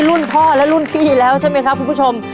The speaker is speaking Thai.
รุ่นพ่อและรุ่นพี่แล้วใช่ไหมครับคุณผู้ชม